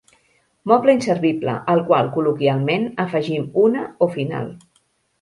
Moble inservible al qual col·loquialment afegim una o final.